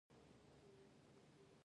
قومونه د افغان ځوانانو لپاره دلچسپي لري.